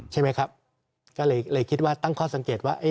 ใช่ไหมครับก็เลยคิดว่าตั้งข้อสังเกตว่า